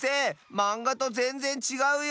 まんがとぜんぜんちがうよ！